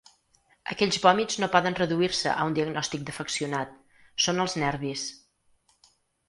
Aquells vòmits no poden reduir-se a un diagnòstic d’afeccionat: són els nervis.